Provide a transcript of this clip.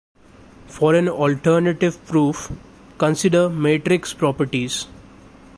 For an alternative proof, consider matrix properties.